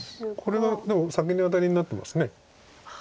これがでも先にアタリになってます。